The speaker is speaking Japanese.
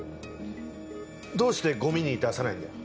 どうしてゴミに出さないんだよ。